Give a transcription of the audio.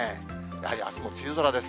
やはりあすも梅雨空です。